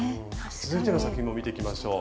続いての作品も見ていきましょう。